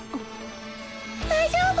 大丈夫？